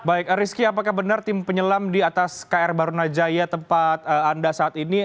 baik rizky apakah benar tim penyelam di atas kr barunajaya tempat anda saat ini